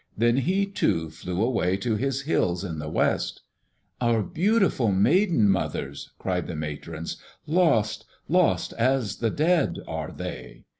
Then he, too, flew away to his hills in the west. "Our beautiful Maiden Mothers," cried the matrons. "Lost, lost as the dead are they!"